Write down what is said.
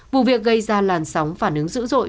vụ việc gây ra làn sóng phản ứng dữ dội